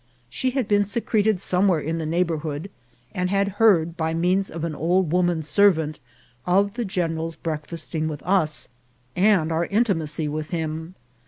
She had been secreted somewhere in the neigh bourhood, and had heard, by means of an old woman servant, of the general's breakfasting with us, and our intimacy with him.